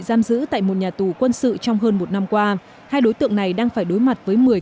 giam giữ tại một nhà tù quân sự trong hơn một năm qua hai đối tượng này đang phải đối mặt với